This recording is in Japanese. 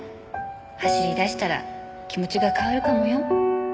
走り出したら気持ちが変わるかもよ？